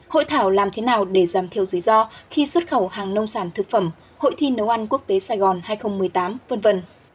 hội thảo làm thế nào để giảm thiểu rủi ro khi xuất khẩu hàng nông sản thực phẩm hội thi nấu ăn quốc tế sài gòn hai nghìn một mươi tám v v